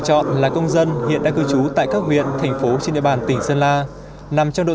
chọn là công dân hiện đã cư trú tại các huyện thành phố trên địa bàn tỉnh sơn la nằm trong đội